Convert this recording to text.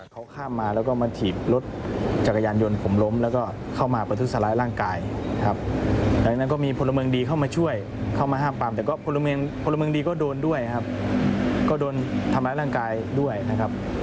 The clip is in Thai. เขาก็จะผ่านสายผ่านขวาเปื่อจะหลีกเลี่ยงขึ้นทางด่วน